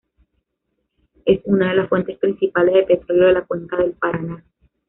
Es una de las fuentes principales de petroleo de la cuenca del Paraná.